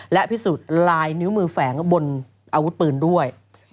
และพิสูจน์ลายนิ้วมือแฝงบนอาวุธปืนด้วย